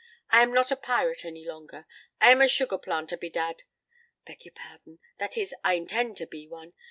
I am not a pirate any longer, I am a sugar planter, bedad. Beg your pardon! That is, I intend to be one.